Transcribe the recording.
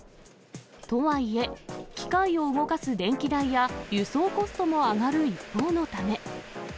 とはいえ、機械を動かす電気代や、輸送コストも上がる一方のため。